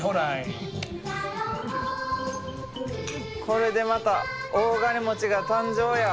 これでまた大金持ちが誕生や。